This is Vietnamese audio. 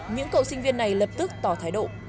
những cựu sinh viên này lập tức tỏ thái độ